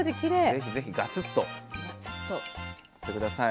ぜひぜひガツッといって下さい。